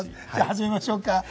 始めましょうか。